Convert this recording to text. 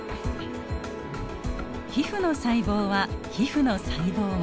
皮膚の細胞は皮膚の細胞を。